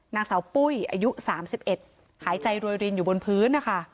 นางสาวปุ้ยอายุ๓๑หายใจรวยรินอยู่บนพื้นนะคะ